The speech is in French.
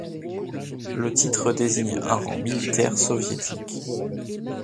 Le titre désigne un rang militaire soviétique.